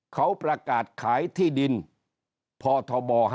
เขาประกาศขายที่ดินพธบ๕